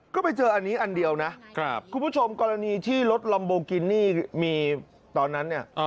ก็ไปเจออันนี้อันเดียวนะคุณผู้ชมกรณีที่รถลัมโบกินี่มีตอนนั้นเนี่ย